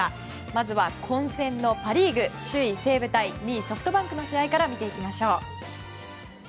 まずは混戦のパ・リーグ首位西武対２位ソフトバンクの試合から見ていきましょう。